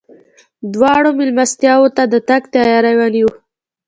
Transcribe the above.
دواړو مېلمستیاوو ته د تګ تیاری ونیو.